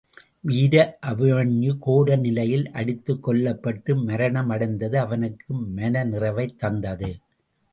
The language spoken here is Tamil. வீர அபிமன்யு கோர நிலையில் அடித்துக் கொல்லப்பட்டு மரணம் அடைந்தது அவனுக்கு மனநிறைவைத் தந்தது.